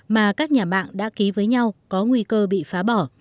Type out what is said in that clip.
mà các nhà mạng đã ký với nhau có nguy cơ bị phá bỏ